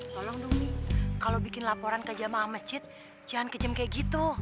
tolong dong nih kalau bikin laporan ke jamaah masjid jangan kejem kayak gitu